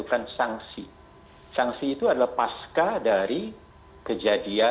tandangnya pilihan radik tadi